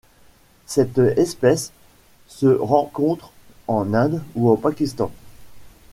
Cette espèce se rencontre en Inde ou au Pakistan.